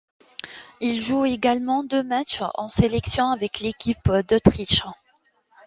Il joue également deux matchs en sélection avec l'équipe d'Autriche.